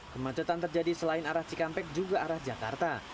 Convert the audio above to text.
kemacetan terjadi selain arah cikampek juga arah jakarta